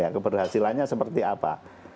keberhasilannya seperti apa